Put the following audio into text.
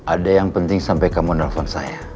ada yang penting sampai kamu nelfon saya